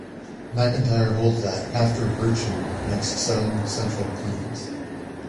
MacIntyre holds that "After Virtue" makes seven central claims.